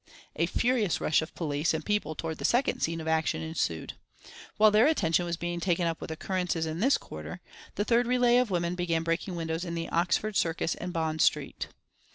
A furious rush of police and people towards the second scene of action ensued. While their attention was being taken up with occurrences in this quarter, the third relay of women began breaking the windows in Oxford Circus and Bond Street.